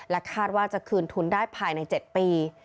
คาดว่าจะคืนทุนได้ภายใน๗ปี